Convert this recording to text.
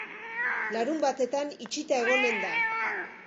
Larunbatetan itxita egonen da.